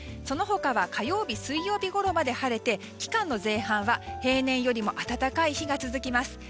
その他は火曜日、水曜日ごろまで晴れて期間の前半は平年よりも暖かい日が続きます。